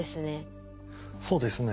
そうですね。